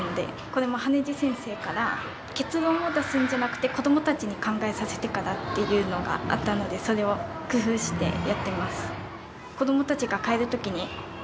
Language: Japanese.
これも羽地先生から結論を出すんじゃなくて子どもたちに考えさせてからっていうのがあったのでそれを工夫してやっています。